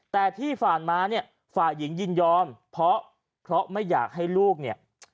แต่ที่ผ่านมาเนี่ยฝ่ายหญิงยินยอมเพราะเพราะไม่อยากให้ลูกเนี่ย